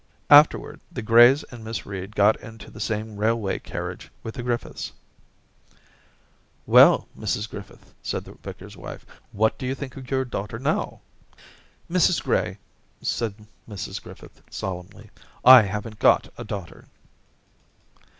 Afterwards the Grays and Miss Reed got into the same railway carriage with the Griffiths. * Well, Mrs Griffith,' said the vicar's wife, * what do you think of your daughter now?' * Mrs Gray,' replied Mrs Griffith, solemnly, * I haven't got a daughter.'